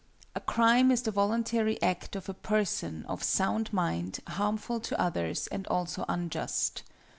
A crime is the voluntary act of a person of sound mind harmful to others and also unjust.